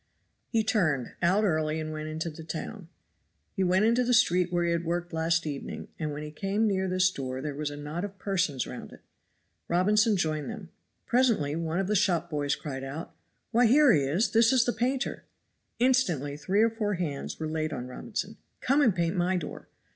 He turned, out early and went into the town. He went into the street where he had worked last evening, and when he came near this door there was a knot of persons round it. Robinson joined them. Presently one of the shop boys cried out, "Why, here he is; this is the painter!" Instantly three or four hands were laid on Robinson. "Come and paint my door."